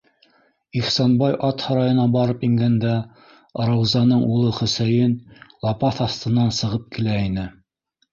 Ихсанбай ат һарайына барып ингәндә, Раузаның улы Хөсәйен лапаҫ аҫтынан сығып килә ине.